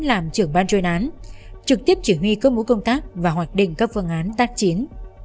làm trưởng ban chuyên án trực tiếp chỉ huy cơ mũ công tác và hoạch định các phương án tác chiến